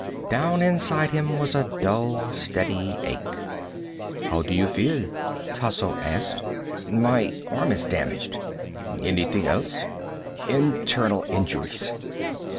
Down inside him was a dull steady ache. "How do you feel?" Tasso asked. "My arm is damaged." "Anything else?" "Internal injuries."